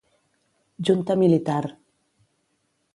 Junta militar.